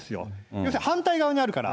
要するに反対側にあるから。